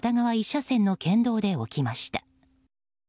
１車線の県道で起きました。